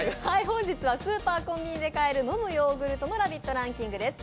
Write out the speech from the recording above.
本日はスーパーやコンビニで買える飲むヨーグルトのランキングです。